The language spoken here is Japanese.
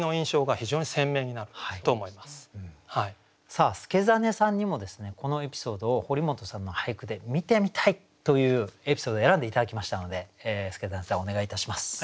さあ祐真さんにもですね「このエピソードを堀本さんの俳句で見てみたい」というエピソード選んで頂きましたので祐真さんお願いいたします。